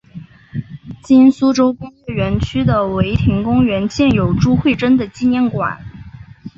今苏州工业园区的唯亭公园建有朱慧珍的纪念馆。